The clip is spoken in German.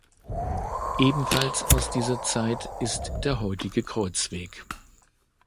Ebenfalls aus dieser Zeit ist der heutige Kreuzweg.